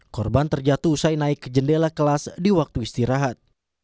korban terjatuh usai naik ke jendela kelas di waktu istirahat